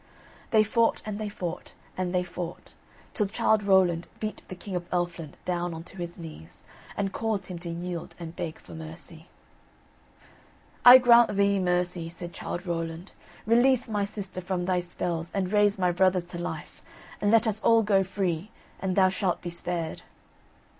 They fought, and they fought, and they fought, till Childe Rowland beat the King of Elfland down on to his knees, and caused him to yield and beg for mercy. "I grant thee mercy," said Childe Rowland, "release my sister from thy spells and raise my brothers to life, and let us all go free, and thou shalt be spared."